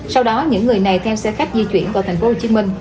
sau đó những người này theo xe khách di chuyển vào tp hcm